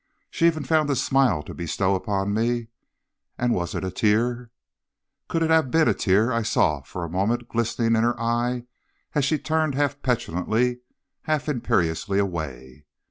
She even found a smile to bestow upon me; and was it a tear? Could it have been a tear I saw for a moment glisten in her eye as she turned half petulantly, half imperiously away?